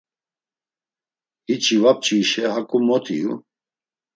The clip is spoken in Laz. Hiçi var p̆ç̆vişe hak̆u mot iyu.